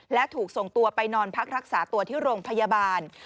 และถูกส่งตัวไปนอนพักรักษาตัวที่โรงพยาบาล